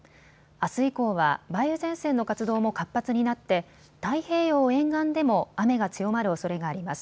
あす以降は梅雨前線の活動も活発になって太平洋沿岸でも雨が強まるおそれがあります。